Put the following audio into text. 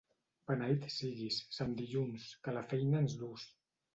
Beneït siguis, sant dilluns, que la feina ens duus.